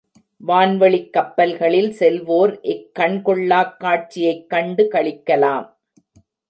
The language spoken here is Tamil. வான்வெளிக் கப்பல்களில் செல்வோர் இக்கண்கொள்ளாக் காட்சியைக் கண்டு களிக்கலாம்.